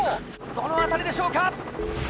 どの辺りでしょうか？